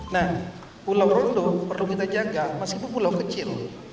nah pulau rondo perlu kita jaga meskipun pulau kecil